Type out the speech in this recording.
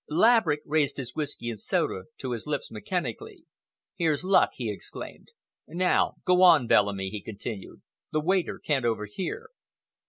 Laverick raised his whiskey and soda to his lips mechanically. "Here's luck!" he exclaimed. "Now go on, Bellamy," he continued. "The waiter can't overhear."